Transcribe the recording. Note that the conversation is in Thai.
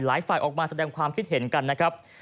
ฝ่ายออกมาแสดงความคิดเห็นกันนะครับ